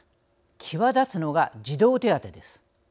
際立つのが児童手当です。